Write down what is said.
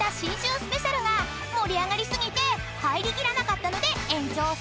スペシャルが盛り上がり過ぎて入り切らなかったので延長戦］